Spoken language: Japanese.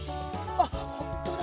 あっほんとだ。